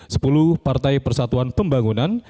sepuluh partai persatuan pembangunan